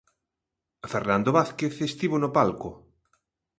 Fernando Vázquez estivo no palco.